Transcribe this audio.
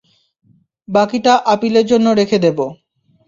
বাকিটা আপিলের জন্য রেখে দেবো।